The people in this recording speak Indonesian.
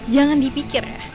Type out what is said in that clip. jangan dipikir ya